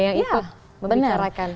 yang ikut membicarakan